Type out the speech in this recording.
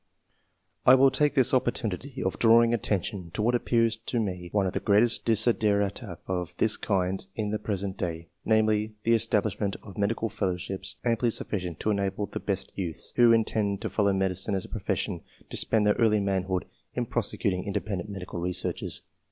I will take this opportunity of drawing at tention to what appears to me one of the greatest of desiderata of this kind in the pre sent day, namely, the establishment of medical fellowships amply sufficient to enable the best youths, who intend to follow medicine as a profession, to spend their early manhood in prosecuting independent medical researches.